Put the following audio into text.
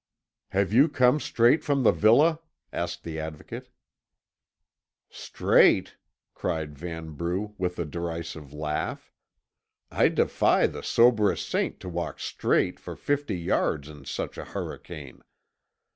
"Have you come straight from the villa?" asked the Advocate. "Straight!" cried Vanbrugh with a derisive laugh. "I defy the soberest saint to walk straight for fifty yards in such a hurricane.